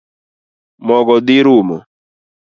Mogo dhi rumo?